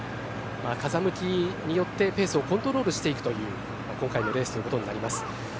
風向きによってペースをコントロールしていくという今回のレースとなります。